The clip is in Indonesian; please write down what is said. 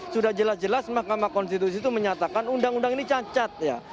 sudah jelas jelas mahkamah konstitusi itu menyatakan undang undang ini cacat ya